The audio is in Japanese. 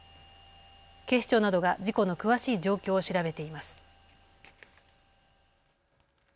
警視庁などが事故の詳しい状況を調べています。